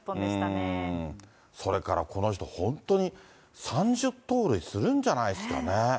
それからこの人、本当に３０盗塁するんじゃないっすかね。